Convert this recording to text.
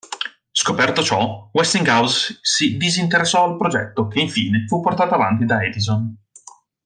Scoperto ciò, Westinghouse si disinteressò al progetto che infine fu portato avanti da Edison.